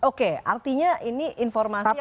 oke artinya ini informasi yang didapatkan